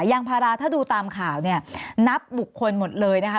ยางพาราถ้าดูตามข่าวเนี่ยนับบุคคลหมดเลยนะคะ